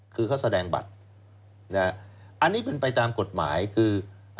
คือเขาแสดงบัตรอันนี้เป็นไปตามกฎหมายคือ